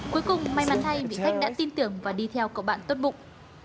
cuối cùng may mắn thay vì khách đã tin tưởng và đi theo cậu bạn tốt bụng